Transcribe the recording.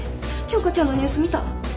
京花ちゃんのニュース見た？